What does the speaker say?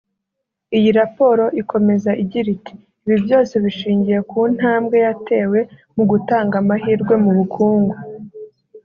Iyi raporo ikomeza igira iti ‘‘Ibi byose bishingiye ku ntambwe yatewe mu gutanga amahirwe mu bukungu